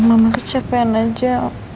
mama kecapean aja